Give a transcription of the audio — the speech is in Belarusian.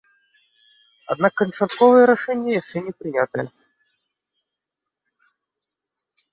Аднак канчатковае рашэнне яшчэ не прынятае.